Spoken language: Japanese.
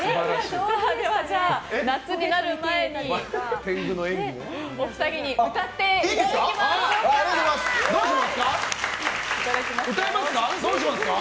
夏になる前にお二人に歌っていただきましょうか。